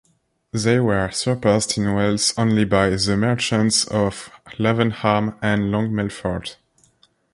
They were surpassed in wealth only by the merchants of Lavenham and Long Melford.